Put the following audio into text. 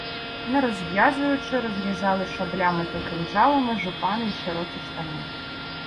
Не розв'язуючи, розрізали шаблями та кинджалами жупани й широкі штани.